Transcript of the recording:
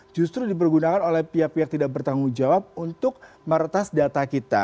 justru dipergunakan oleh pihak pihak tidak bertanggung jawab untuk meretas data kita